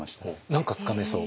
何かつかめそう？